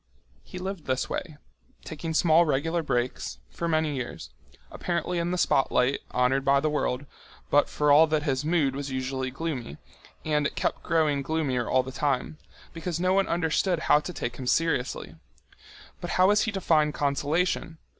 He lived this way, taking small regular breaks, for many years, apparently in the spotlight, honoured by the world, but for all that his mood was usually gloomy, and it kept growing gloomier all the time, because no one understood how to take him seriously. But how was he to find consolation?